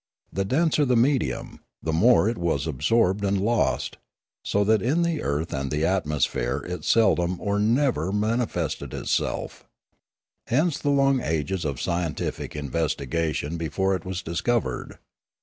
The denser the medium, the more was it absorbed and lost, so that in the earth and the atmosphere it seldom or never mani 3 1 2 Limanora fested itself. Hence the long ages of scientific investi gation before it was discovered.